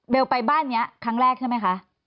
ไปบ้านนี้ครั้งแรกใช่ไหมคะ